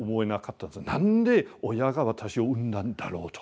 なんで親が私を生んだんだろうと。